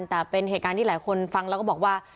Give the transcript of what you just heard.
แต่เป็นเหตุการณ์ที่หลายคนฟังแล้วก็บอกว่า